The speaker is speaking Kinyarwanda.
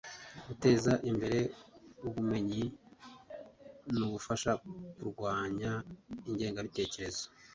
Guteza imbere ubumenyi n ubufasha ku kurwanya ingengabitekerezo